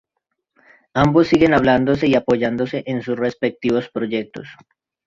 Ambos siguen hablándose y apoyándose en sus respectivos proyectos.